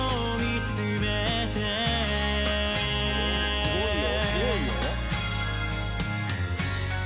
すごいよ！